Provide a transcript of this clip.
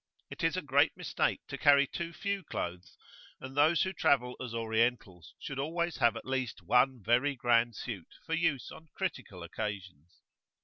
It is a great mistake to carry too few clothes, and those who travel as Orientals should always have at least one very grand suit for use on critical occasions.